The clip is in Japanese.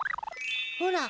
ほら。